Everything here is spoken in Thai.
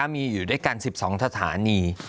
มีอยู่ด้วยกัน๑๒สถานี